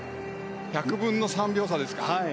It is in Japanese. １００分の３秒差ですか。